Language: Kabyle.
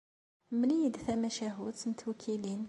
Mmel-iyi-d tamacahut n tewkilin.